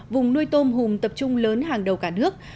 vùng nuôi tôm hùm tập trung lớn hàng đầu cả nước